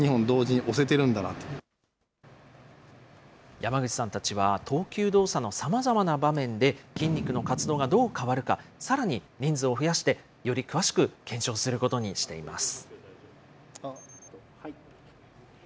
山口さんたちは、投球動作のさまざまな場面で、筋肉の活動がどう変わるか、さらに人数を増やして、より詳しく検証することにしています。